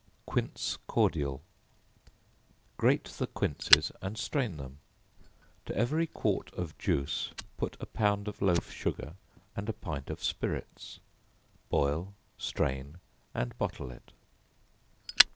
Quince Cordial. Grate the quinces and strain them; to every quart of juice, put a pound of loaf sugar and a pint of spirits; boil, strain and bottle it.